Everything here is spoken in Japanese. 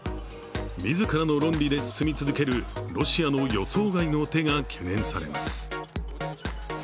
自らの論理で進み続けるロシアの予想外の手が懸念されます。